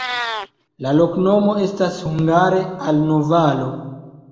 La loknomo estas hungare: alno-valo.